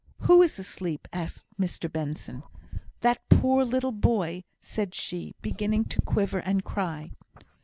"Who is asleep?" asked Mr Benson. "That poor little boy," said she, beginning to quiver and cry.